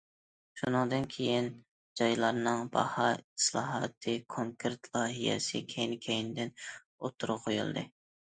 شۇنىڭدىن كېيىن، جايلارنىڭ باھا ئىسلاھاتى كونكرېت لايىھەسى كەينى- كەينىدىن ئوتتۇرىغا قويۇلدى.